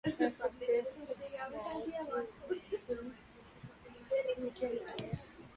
ہے خطِ عجز مَاو تُو اَوّلِ درسِ آرزو